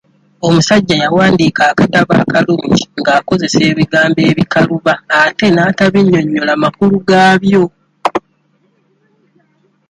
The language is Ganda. Omusajja yawandiika akatabo kalungi ng'akozesa ebigambo ebikaluba ate n'atabinnyonyola makulu gaabyo.